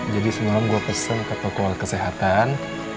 jadi semalam gue pesen ke toko kesehatan